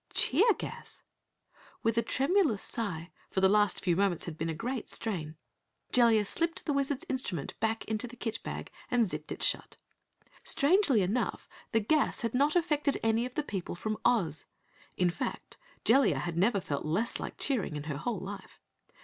_" Cheer Gas! With a tremulous sigh, for the last few moments had been a great strain, Jellia slipped the Wizard's instrument back into the kit bag and zipped it shut. Strangely enough the gas had not affected any of the people from Oz. In fact Jellia had never felt less like cheering in her whole life.